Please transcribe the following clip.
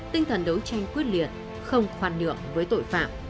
tinh thần đấu tranh quyết liệt không khoản nượng với tội phạm